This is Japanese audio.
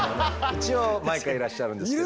一応毎回いらっしゃるんですけれども。